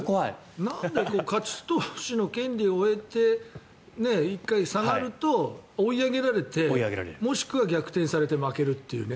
なんで勝ち投手の権利を得て１回下がると追い上げられて、もしくは逆転されて負けるっていうね。